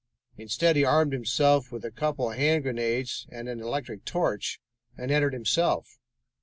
Instead, he armed himself with a couple of hand grenades and an electric torch and entered himself.